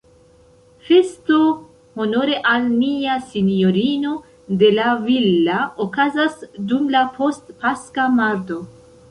Festo honore al Nia Sinjorino de La Villa okazas dum la post-paska mardo.